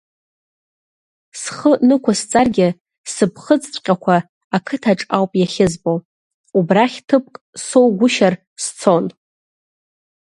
Схы нықәысҵаргьы сыԥхыӡҵәҟьақәа ақыҭаҿ ауп иахьызбо, убрахь ҭыԥк соугәышьар сцон.